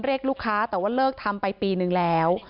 เรียกลูกค้าแต่ว่าเลิกทำไปปีนึงแล้ว